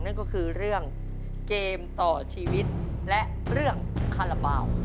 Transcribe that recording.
นั่นก็คือเรื่องเกมต่อชีวิตและเรื่องคาราบาล